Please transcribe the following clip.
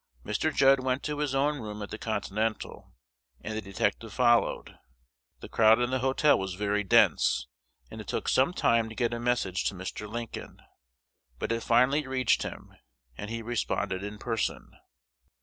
Mr. Judd went to his own room at the Continental, and the detective followed. The crowd in the hotel was very dense, and it took some time to get a message to Mr. Lincoln. But it finally reached him, and he responded in person.